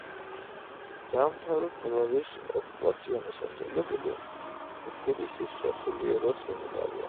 დაამთავრა თელავის ოთხკლასიანი სასწავლებელი, ტფილისის სასულიერო სემინარია.